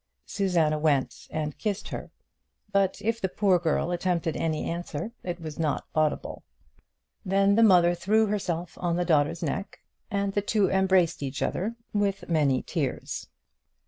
Susanna went and kissed her; but if the poor girl attempted any answer it was not audible. Then the mother threw herself on the daughter's neck, and the two embraced each other with many tears.